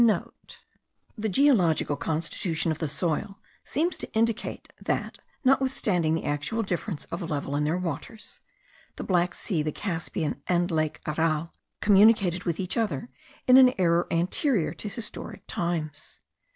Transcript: *(* The geological constitution of the soil seems to indicate that, notwithstanding the actual difference of level in their waters, the Black Sea, the Caspian, and lake Aral, communicated with each other in an era anterior to historic times.